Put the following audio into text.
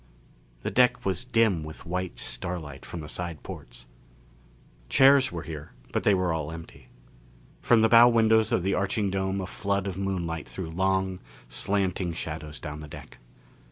The deck was dim with white starlight from the side ports. Chairs were here but they were all empty. From the bow windows of the arching dome a flood of moonlight threw long, slanting shadows down the deck.